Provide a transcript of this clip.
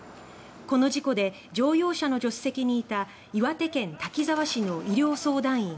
この事故で乗用車の助手席にいた岩手県滝沢市の医療相談員